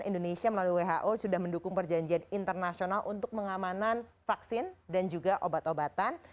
indonesia melalui who sudah mendukung perjanjian internasional untuk pengamanan vaksin dan juga obat obatan